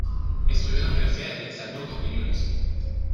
Estudió en las universidades de Salzburgo y Múnich.